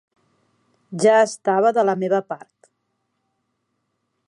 Ja estava de la meva part.